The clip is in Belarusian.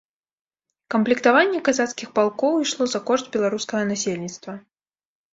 Камплектаванне казацкіх палкоў ішло за кошт беларускага насельніцтва.